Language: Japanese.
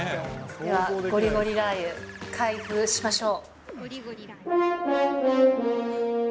ではゴリゴリラー油、開封しましょう。